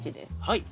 はい。